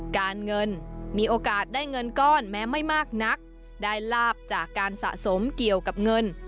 การเงินมีโอกาสได้เงินก้อนแม้ไม่มากนักได้ลาบจากการสะสมเกี่ยวกับเงิน